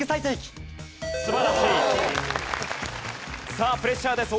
さあプレッシャーです。